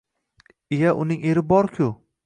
Iya, uning eri bor-g‘u